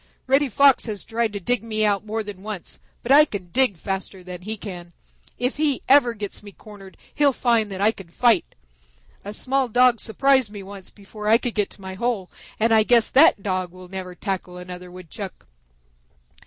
Reddy Fox has tried to dig me out more than once, but I can dig faster than he can. If he ever gets me cornered, he'll find that I can fight. A small Dog surprised me once before I could get to my hole and I guess that Dog never will tackle another Woodchuck."